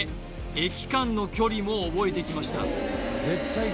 駅間の距離も覚えてきました